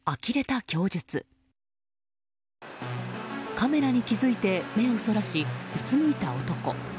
カメラに気づいて目をそらしうつむいた男。